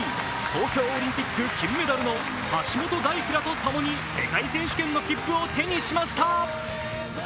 東京オリンピック金メダルの橋本大輝らと共に世界選手権の切符を手にしました。